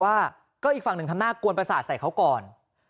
ว่าก็อีกฝั่งหนึ่งทำหน้ากวนประสาทใส่เขาก่อน